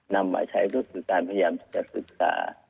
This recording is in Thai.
นำมาใช้ก็คือการพยายามรักษมณิษฐา